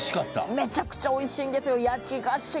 めちゃくちゃおいしいんですよ